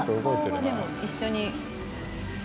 顔がでも一緒に。